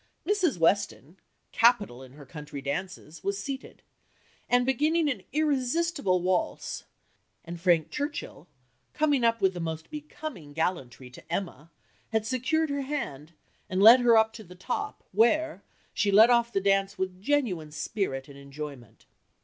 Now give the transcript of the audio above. Mrs. Weston, capital in her country dances, was seated, and beginning an irresistible waltz; and Frank Churchill, coming up with most becoming gallantry to Emma, had secured her hand, and led her up to the top, (where) she led off the dance with genuine spirit and enjoyment."